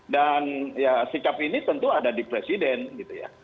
dan ya sikap ini tentu ada di presiden gitu ya